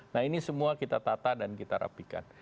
nah ini semua kita tata dan kita rapikan